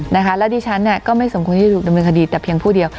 และดิฉันก็ไม่สมควรที่จะถูกดำเนินคดีแต่เพียงผู้เดียว